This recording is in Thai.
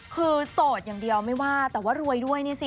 คือโสดอย่างเดียวไม่ว่าแต่ว่ารวยด้วยนี่สิ